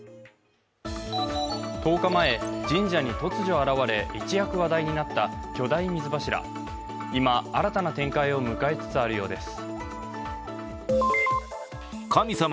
１０日前、神社に突如現れ、一躍話題になった巨大水柱、今新たな展開を迎えつつあるようです。